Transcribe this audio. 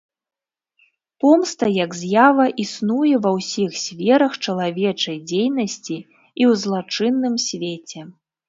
Помста як з'ява існуе ва ўсіх сферах чалавечай дзейнасці і ў злачынным свеце.